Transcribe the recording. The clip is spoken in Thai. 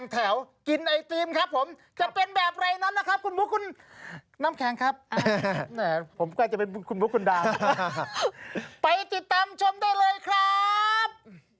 ไปติดตามชมได้เลยครับ